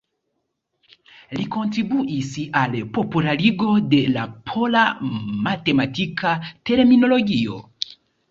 Li kontribuis al popularigo de la pola matematika terminologio.